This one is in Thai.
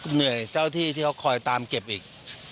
เหนื่อยเจ้าที่ที่เขาคอยตามเก็บอีก